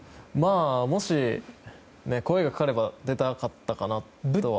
もし声がかかれば出たかったかなとは。